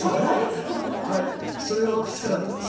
それを聞きたかったです。